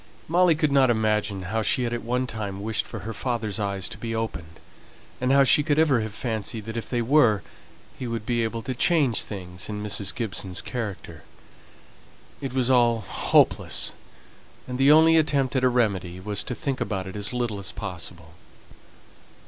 Molly could not imagine how she had at one time wished for her father's eyes to be opened, and how she could ever have fancied that if they were, he would be able to change things in Mrs. Gibson's character. It was all hopeless, and the only attempt at a remedy was to think about it as little as possible.